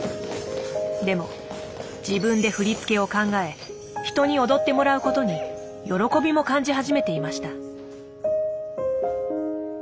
でも自分で振り付けを考え人に踊ってもらうことに喜びも感じ始めていました。